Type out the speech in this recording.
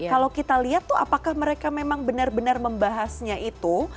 kalau kita lihat tuh apakah mereka memang benar benar membahasnya itu